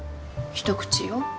一口よ